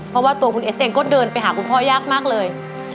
เพราะว่าตัวคุณเอสเองก็เดินไปหาคุณพ่อยากมากเลย